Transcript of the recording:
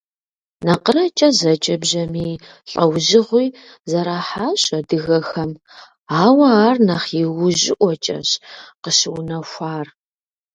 НакъырэкӀэ зэджэ бжьамий лӀэужьыгъуи зэрахьащ адыгэхэм, ауэ ар нэхъ иужьыӀуэкӀэщ къыщыунэхуар.